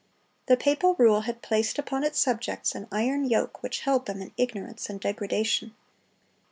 The papal rule had placed upon its subjects an iron yoke which held them in ignorance and degradation.